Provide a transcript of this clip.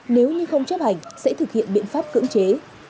nếu như không chấp hành sẽ thực hiện biện pháp cưỡng chế